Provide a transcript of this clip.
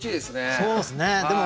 そうですね。